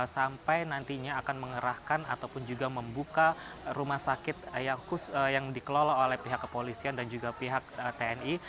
sampai nantinya akan mengerahkan ataupun juga membuka rumah sakit yang dikelola oleh pihak kepolisian dan juga pihak tni